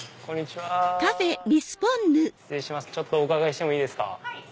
ちょっとお伺いしていいですか。